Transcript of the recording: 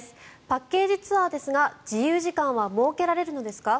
パッケージツアーですが自由時間は設けられるんですか？